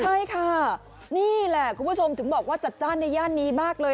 ใช่ค่ะนี่แหละคุณผู้ชมถึงบอกว่าจัดจ้านในย่านนี้มากเลย